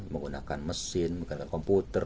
menggunakan mesin menggunakan komputer